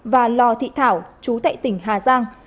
và lò thị thảo chú tệ tỉnh hà giang